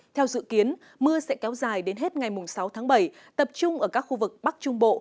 theo dự kiến mưa sẽ kéo dài đến hết ngày sáu tháng bảy tập trung ở các khu vực bắc trung bộ